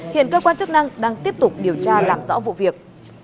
hiện cơ quan chức năng đang tiếp tục điều tra làm rõ vụ việc